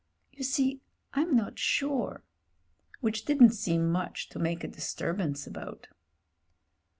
You see, I'm not sure;" which didn't seem much to make a dis turbance about.